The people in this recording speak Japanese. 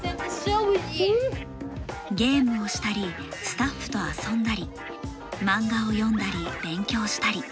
ゲームをしたりスタッフと遊んだり漫画を読んだり、勉強したり。